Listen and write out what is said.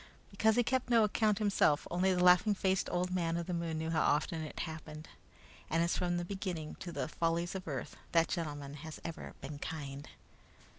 Because he kept no account himself, only the laughing faced old man of the moon knew how often it happened; and as from the beginning, to the follies of earth that gentleman has ever been kind.